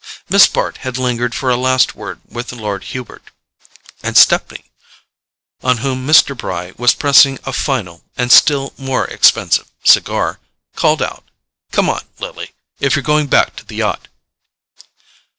Miss Bart had lingered for a last word with Lord Hubert, and Stepney, on whom Mr. Bry was pressing a final, and still more expensive, cigar, called out: "Come on, Lily, if you're going back to the yacht."